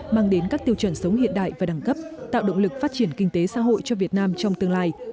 mang đến các tiêu chuẩn sống hiện đại và đẳng cấp tạo động lực phát triển kinh tế xã hội cho việt nam trong tương lai